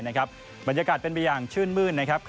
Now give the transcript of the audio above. นะครับบรรยากาศเป็นไปอย่างชื่นมืดนะครับ